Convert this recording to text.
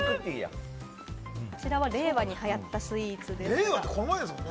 こちらは令和に流行ったスイーツ。